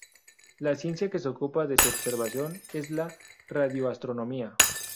La ciencia que se ocupa de su observación es la radioastronomía.